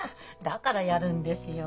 だからやるんですよ。